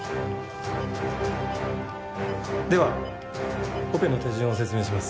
ではオペの手順を説明します。